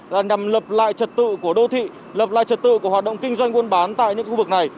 là nhằm lập lại trật tự của đô thị lập lại trật tự của hoạt động kinh doanh buôn bán tại những khu vực này